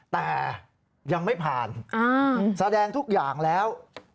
แต่ยังไม่ผ่านแสดงทุกอย่างแล้ว